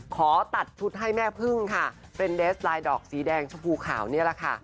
ขอตัดชุดให้แม่พึ่งค่ะเป็นเดสลายดอกสีแดงชมพูขาวนี่แหละค่ะ